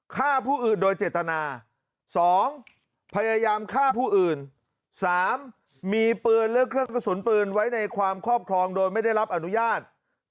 ฆ่าผู้อื่นโดยเจตนา๒พยายามฆ่าผู้อื่น๓มีปืนและเครื่องกระสุนปืนไว้ในความครอบครองโดยไม่ได้รับอนุญาต